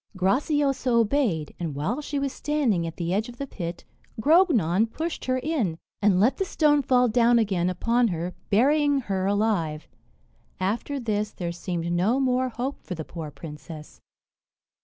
Graciosa obeyed; and while she was standing at the edge of the pit, Grognon pushed her in, and let the stone fall down again upon her, burying her alive. After this, there seemed no more hope for the poor princess.